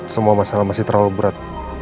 semua masalah masih terlalu berat